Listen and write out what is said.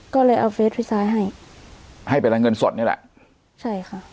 ก็เลยเอาเฟสพี่ซ้ายให้ให้เป็นรายเงินสดนี่แหละใช่ค่ะ